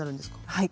はい。